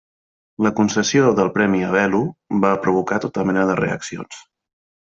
La concessió del premi a Belo va provocar tota mena de reaccions.